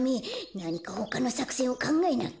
なにかほかのさくせんをかんがえなきゃ。